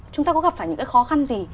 chúng ta có gặp phải những cái khó khăn gì